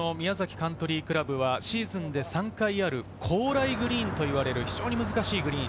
カントリークラブはシーズンで３回ある高麗グリーンといわれる非常に難しいグリーン。